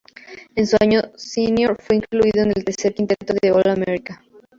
En su año senior fue incluido en el tercer quinteto del All-America.